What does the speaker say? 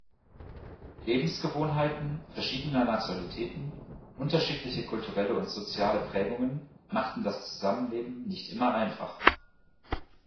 Lebensgewohnheiten verschiedener Nationalitäten, unterschiedliche kulturelle und soziale Prägungen machten das Zusammenleben nicht immer einfach.